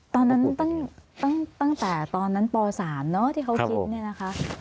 ตอนนั้นตั้งแต่ตอนนั้นป๓เนอะที่เขาคิดเนี่ยนะคะ